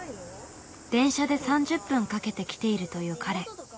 電車で３０分かけて来ているという彼。